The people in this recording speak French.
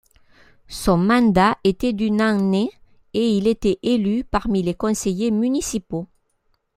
Son mandat était d'une année et il était élu parmi les conseillers municipaux.